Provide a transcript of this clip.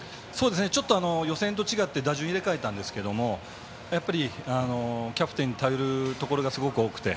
ちょっと予選と違って打順を入れ替えたんですがやはりキャプテンに頼るところがすごく多くて。